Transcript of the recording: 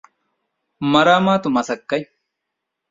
މަރާމާތު މަސައްކަތް